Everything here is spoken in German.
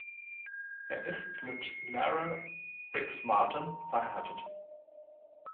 Er ist mit Lara Rix-Martin verheiratet.